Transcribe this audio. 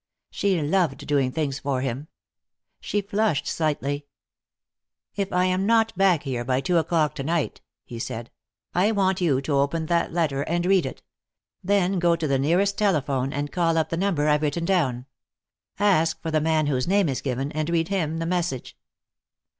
She loved doing things for him. She flushed slightly. "If I am not back here by two o'clock to night," he said, "I want you to open that letter and read it. Then go to the nearest telephone, and call up the number I've written down. Ask for the man whose name is given, and read him the message."